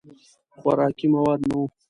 خوراکي مواد نه وو.